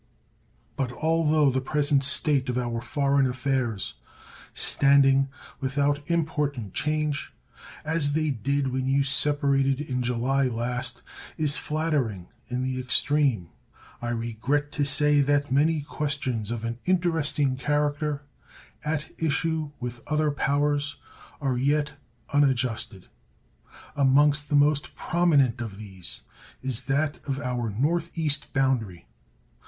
But although the present state of our foreign affairs, standing, without important change, as they did when you separated in July last, is flattering in the extreme, I regret to say that many questions of an interesting character, at issue with other powers, are yet unadjusted. Amongst the most prominent of these is that of our north east boundary.